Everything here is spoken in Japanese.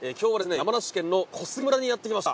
山梨県の小菅村にやってきました。